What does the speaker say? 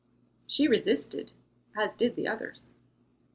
She resisted, as did the others.